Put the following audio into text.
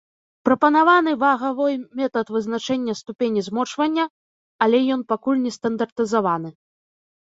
Прапанаваны вагавой метад вызначэння ступені змочвання, але ён пакуль не стандартызаваны.